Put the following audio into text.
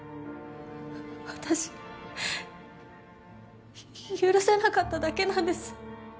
私許せなかっただけなんです。